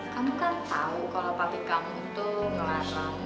kamu kan tau kalau papi kamu tuh ngelarang